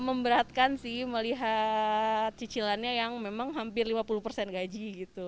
memberatkan sih melihat cicilannya yang memang hampir lima puluh persen gaji gitu